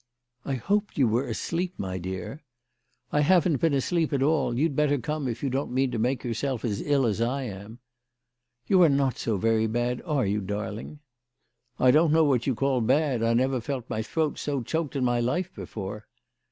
" I hoped you were asleep, my dear." " I haven't been asleep at all. You'd better come, if you don't mean to make yourself as ill as I am." " You are not so very bad, are you, darling ?"" I don't know what you call bad. I never felt my throat so choked in my life before